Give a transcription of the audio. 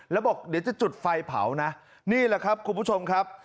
แล้วบอกเดี๋ยวจะจุดไฟเผานะนี่แหละครับคุณผู้ชมครับ